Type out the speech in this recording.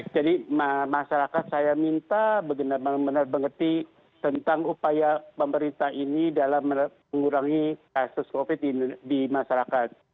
jadi masyarakat saya minta benar benar mengerti tentang upaya pemerintah ini dalam mengurangi kasus covid di masyarakat